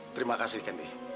terima kasih candy